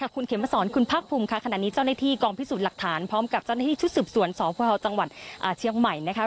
คุณเขมสอนคุณภาคภูมิค่ะขณะนี้เจ้าหน้าที่กองพิสูจน์หลักฐานพร้อมกับเจ้าหน้าที่ชุดสืบสวนสพจังหวัดเชียงใหม่นะคะ